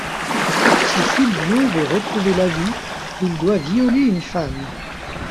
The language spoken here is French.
Si Fulvio veut retrouver la vue, il doit violer une femme.